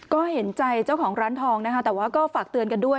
ก็เห็นใจเจ้าของร้านทองนะคะแต่ว่าก็ฝากเตือนกันด้วย